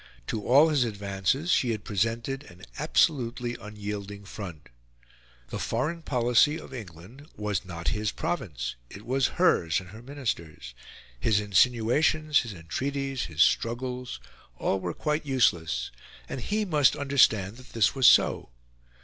To all his advances she had presented an absolutely unyielding front. The foreign policy of England was not his province; it was hers and her Ministers'; his insinuations, his entreaties, his struggles all were quite useless; and he must understand that this was so.